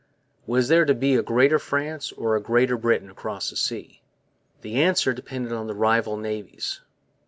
Was there to be a Greater France or a Greater Britain across the seas? The answer depended on the rival navies.